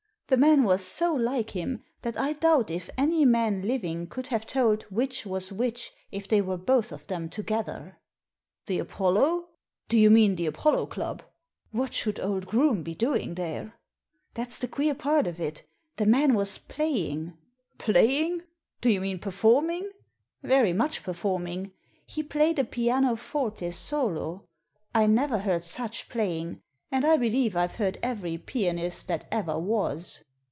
The man was so like him that I doubt if any man living could have told which was which if they were both of them together." "The Apollo! Do you mean the Apollo Club? What should old Groome be doing there?" "That's the queer part of it The man was playing." "Playing! Do you mean performing?" "Very much performing. He played a pianoforte solo. I never heard such playing, and I believe I've heard every pianist that ever was."